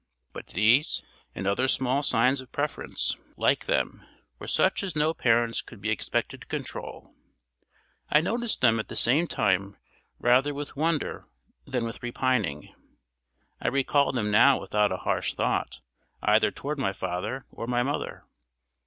But these, and other small signs of preference like them, were such as no parents could be expected to control. I noticed them at the time rather with wonder than with repining. I recall them now without a harsh thought either toward my father or my mother.